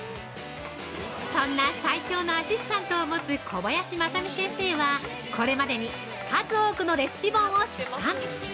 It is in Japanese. そんな最強のアシスタントを持つ小林まさみ先生はこれまでに数多くのレシピ本を出版。